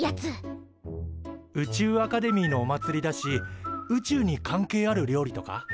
宇宙アカデミーのおまつりだし宇宙に関係ある料理とか？